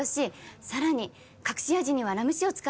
さらに隠し味にはラム酒を使っていて